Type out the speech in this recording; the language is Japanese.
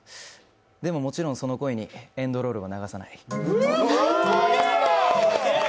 でももちろんその恋にエンドロールは流さない。